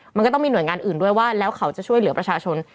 มันก็ต้องมีหน่วยงานอื่นด้วยว่าแล้วเขาจะช่วยเหลือประชาชน